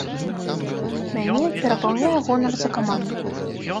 Мяне перапаўняе гонар за каманду.